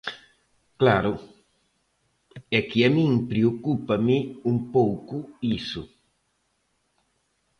Claro, é que a min preocúpame un pouco iso.